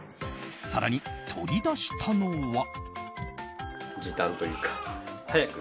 更に取り出したのは。